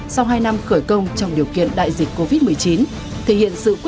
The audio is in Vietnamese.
sau hai năm khởi công trong điều kiện đại dịch covid một mươi chín